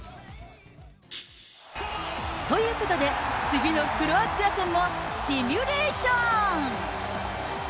ということで、次のクロアチア戦もシミュレーション。